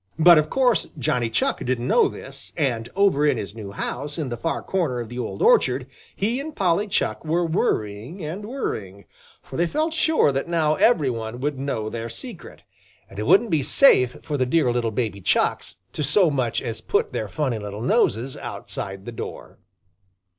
But of course Johnny Chuck didn't know this, and over in his new house in the far corner of the old orchard, he and Polly Chuck were worrying and worrying, for they felt sure that now every one would know their secret, and it wouldn't be safe for the dear little baby Chucks to so much as put their funny little noses outside the door.